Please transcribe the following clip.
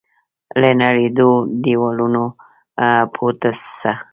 له نړېدلو دیوالو پورته سه